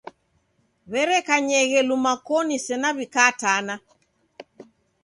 W'erekanyeghe luma koni sena w'ikatana.